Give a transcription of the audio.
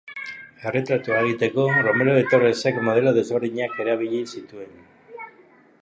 Erretratua egiteko Romero de Torresek modelo desberdinak erabili zituen.